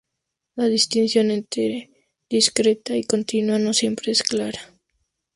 La distinción entre discreta y continua no siempre es clara.